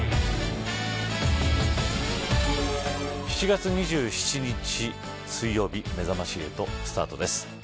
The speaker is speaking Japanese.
７月２７日水曜日めざまし８スタートです。